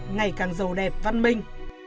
ngày càng giàu đẹp văn minh